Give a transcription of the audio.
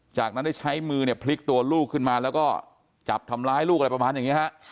จากนั้นได้ใช้มือเนี่ยพลิกตัวลูกขึ้นมาแล้วก็จับทำร้ายลูกอะไรประมาณอย่างนี้ฮะ